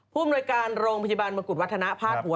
ภูมิโรยการโรงพจบันบันกุฎวัฒนภาษาหัว